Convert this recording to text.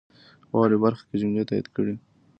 واورئ برخه کې جملې تایید کړئ.